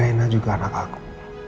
reina juga anak aku